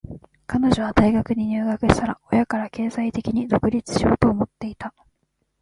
彼女は大学に入学したら、親から経済的に独立しようと思っていた。